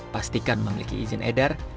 pastikan memiliki izin edar